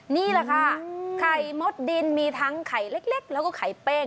นี่แหละค่ะไข่มดดินมีทั้งไข่เล็กแล้วก็ไข่เป้ง